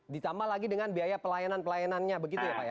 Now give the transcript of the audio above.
ditambah lagi dengan biaya pelayanan pelayanannya begitu ya pak ya